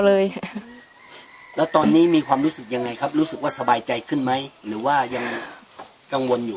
เลยแล้วตอนนี้มีความรู้สึกยังไงครับรู้สึกว่าสบายใจขึ้นไหมหรือว่ายังกังวลอยู่